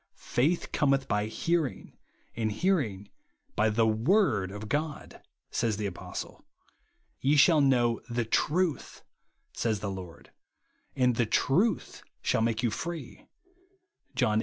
" Faith cometh by hearing, and hearing by the word of God," says the apostle. "Ye shall know^/ie truths" says EEfJEVE AND BE SAVED. HI the Lord, " and the truth shall make vou free," (John viii.